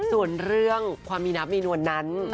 ส่วนเรื่องความมีนับมีนวลนั้น